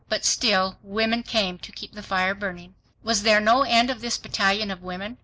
But still women came to keep the fire burning. Was there no end of this battalion of women?